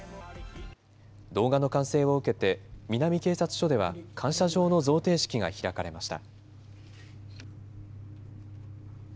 動画の完成を受けて、南警察署では、感謝状の贈呈式が開かれました。